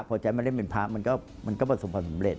พอแจ๊ดมาเล่นเป็นพ้ามันก็มักสำเร็จ